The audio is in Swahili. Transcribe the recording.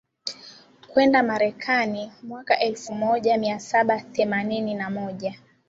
kwenda Marekani Mwaka elfumoja miasaba themanini na moja